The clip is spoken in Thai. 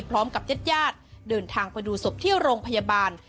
พร้อมกับเจ็ดญาติเดินทางพดูศพเที่ยวโรงพยาบาล